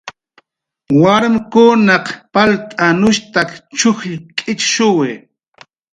Warmkunaq palt'anushtak chujll k'ichshuwi.